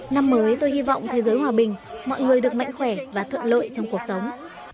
năm mới tôi hy vọng thế giới hòa bình mọi người được mạnh khỏe và thuận lợi trong cuộc sống